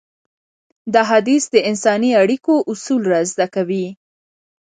دا حديث د انساني اړيکو اصول رازده کوي.